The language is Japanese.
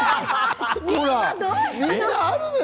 みんな、あるのよ